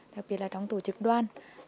đặc biệt trong tổ chức đoàn